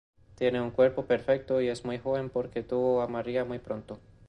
Tiene un cuerpo perfecto y es muy joven porque tuvo a Maria muy pronto.